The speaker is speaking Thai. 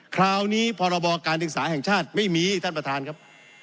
คราวนี้พรบการศึกษาแห่งชาติไม่มีท่านประธานครับ